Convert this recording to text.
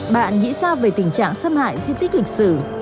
bạn nghĩ sao về tình trạng xâm hại di tích lịch sử